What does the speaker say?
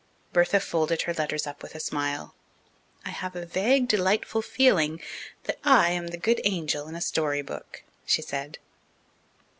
_ Bertha folded her letters up with a smile. "I have a vague, delightful feeling that I am the good angel in a storybook," she said.